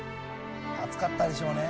暑かったでしょうね。